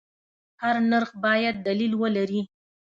هر نرخ باید دلیل ولري.